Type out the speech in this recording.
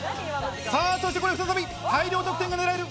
さぁ、そして再び大量得点が狙える